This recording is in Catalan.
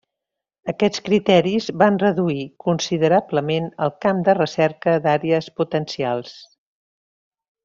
Aquests criteris van reduir considerablement el camp de recerca d'àrees potencials.